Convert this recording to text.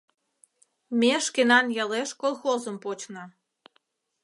— Ме шкенан ялеш колхозым почна.